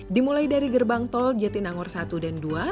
dimulai dari gerbang tol jatinangor i dan ii